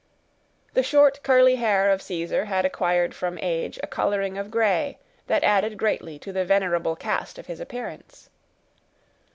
The short curly hair of Caesar had acquired from age a coloring of gray, that added greatly to the venerable cast of his appearance.